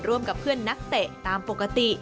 ร่วมกับเพื่อนนักเตะตามปกติ